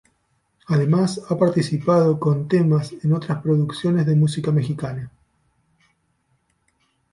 Además ha participado con temas en otras producciones de música mexicana.